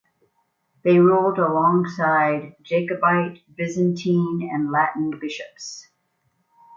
They ruled alongside Jacobite, Byzantine and Latin bishops.